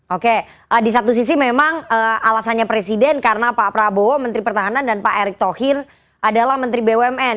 oke di satu sisi memang alasannya presiden karena pak prabowo menteri pertahanan dan pak erick thohir adalah menteri bumn